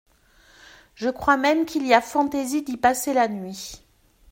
Je crois même qu'il a fantaisie d'y passer la nuit.